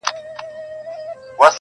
وزیران وه که قاضیان د ده خپلوان وه.!